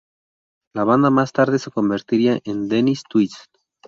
La banda más tarde se convertiría en Dennis' Twist.